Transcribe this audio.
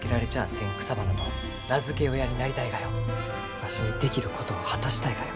わしにできることを果たしたいがよ。